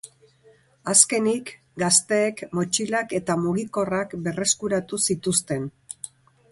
Azkenik, gazteek motxilak eta mugikorrak berreskuratu zituzten.